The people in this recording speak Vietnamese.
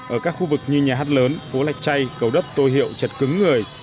ở các khu vực như nhà hát lớn phố lạch chay cầu đất tô hiệu chật cứng người